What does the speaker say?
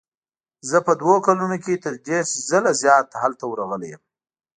زه په دوو کلونو کې تر دېرش ځله زیات هلته ورغلی یم.